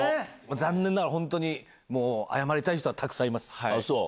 残念ながら本当に、謝りたい人はたくさんいます。